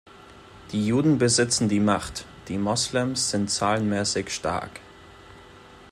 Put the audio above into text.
Die Juden besitzen die Macht, die Moslems sind zahlenmäßig stark.